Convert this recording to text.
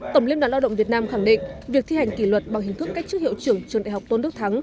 tổng liên đoàn lao động việt nam khẳng định việc thi hành kỷ luật bằng hình thức cách chức hiệu trưởng trường đại học tôn đức thắng